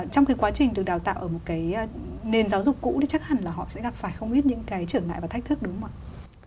trong cái quá trình được đào tạo ở một cái nền giáo dục cũ thì chắc hẳn là họ sẽ gặp phải không ít những cái trở ngại và thách thức đúng không ạ